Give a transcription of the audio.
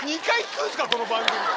この番組。